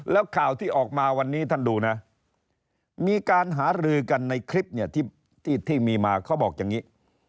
แล้วข่าวที่ออกมาวันนี้ท่านดูนะมีการหารือกันในคลิปเนี่ยที่มีมาเขาบอกอย่างนี้